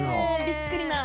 びっくりな。